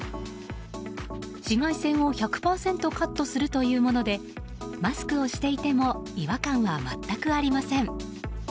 紫外線を１００％カットするというものでマスクをしていても違和感は全くありません。